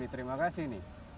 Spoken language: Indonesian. terima kasih nih